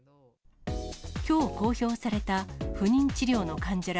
きょう公表された不妊治療の患者ら